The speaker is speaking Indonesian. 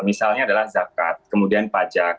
misalnya adalah zakat kemudian pajak